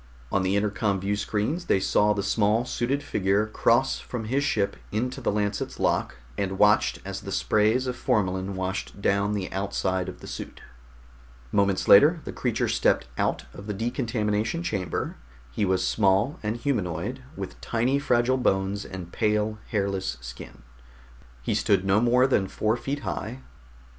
On the intercom viewscreens they saw the small suited figure cross from his ship into the Lancet's lock, and watched as the sprays of formalin washed down the outside of the suit. Moments later the creature stepped out of the decontamination chamber. He was small and humanoid, with tiny fragile bones and pale, hairless skin. He stood no more than four feet high.